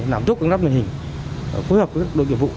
làm tốt các đáp luyện hình phối hợp với các đội kiểm vụ